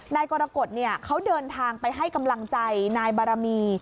นายกรกฎเขาเดินทางไปให้กำลังใจนายบารมี